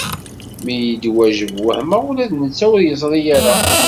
Mi yi-d-ijaweb wehmeɣ ula d netta ur yeẓri ara.